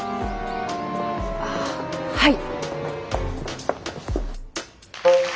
あはい。